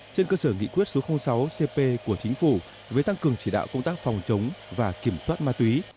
trên cơ sở nghị quyết số sáu cp của chính phủ với tăng cường chỉ đạo công tác phòng chống và kiểm soát ma túy